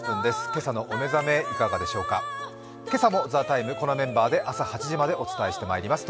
今朝も「ＴＨＥＴＩＭＥ，」このメンバーで朝８時までお送りしてまいります。